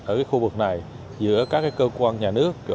ở khu vực nam nẵng